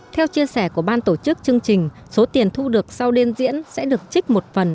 theo chia sẻ của ban tổ chức chương trình số tiền thu được sau đêm diễn sẽ được trích một phần